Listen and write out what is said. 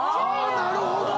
なるほど！